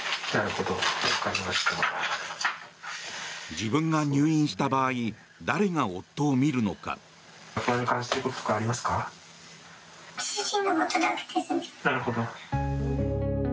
自分が入院した場合誰が夫を見るのか。